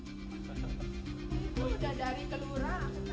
hujan dari kelurang